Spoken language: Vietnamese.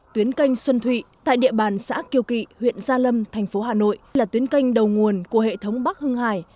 tuyến canh xuân thụy tại địa bàn xã kiều kỵ huyện gia lâm thành phố hà nội là tuyến canh đầu nguồn của hệ thống bắc hưng hải